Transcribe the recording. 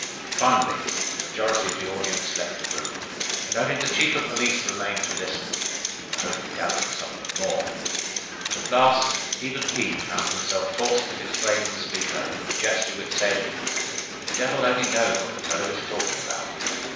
Finally, the majority of the audience left the room, and only the Chief of Police remained to listen (in the hope of gathering something more); but at last even he found himself forced to disclaim the speaker with a gesture which said: "The devil only knows what the fellow is talking about!"